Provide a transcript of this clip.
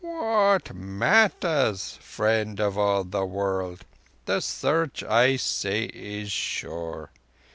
"What matters, Friend of all the World? The Search, I say, is sure.